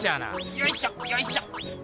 よいしょよいしょ。